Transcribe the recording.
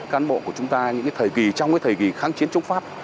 cán bộ của chúng ta trong thời kỳ kháng chiến chống pháp